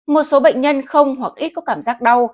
một số bệnh nhân không hoặc ít có cảm giác đau